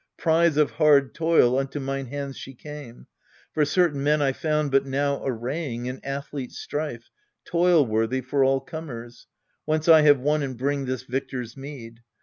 Prize of hard toil unto mine hands she came : For certain men I found but now arraying An athlete strife, toil worthy, for all comers, Whence I have won and bring this victor's meed.